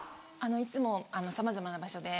いつもさまざまな場所で。